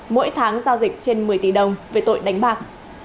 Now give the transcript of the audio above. mỗi tháng giao dịch trên một mươi tỷ đồng về tội đánh bạc